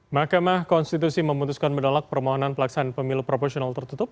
makamah konstitusi memutuskan menolak permohonan pelaksanaan pemilu proportional tertutup